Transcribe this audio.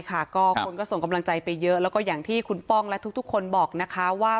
ก็คนก็ส่งกำลังใจไปเยอะแล้วก็อย่างที่คุณป้องและทุกคนบอกนะคะว่า